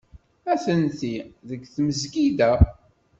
Atenti deg tmesgida.